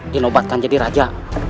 dinobatkan jadi raja